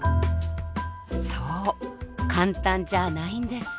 そう簡単じゃないんです。